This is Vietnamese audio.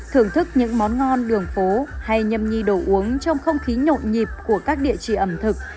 thưởng thức những món ngon đường phố hay nhâm nhi đồ uống trong không khí nhộn nhịp của các địa chỉ ẩm thực